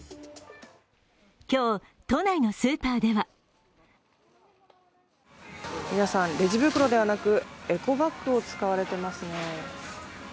今日、都内のスーパーでは皆さん、レジ袋ではなくエコバッグを使われていますね。